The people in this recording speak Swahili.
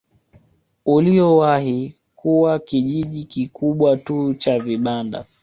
Uliowahi kuwa kijiji kikubwa tu cha vibanda